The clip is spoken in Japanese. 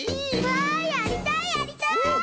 わあやりたいやりたい！